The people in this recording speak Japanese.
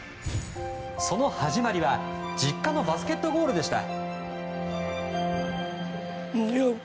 その始まりは、実家のバスケットゴールでした。